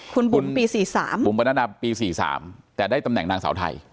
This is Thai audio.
คุณบุ๋มปี๔๓แต่ได้ตำแหน่งนางสาวไทย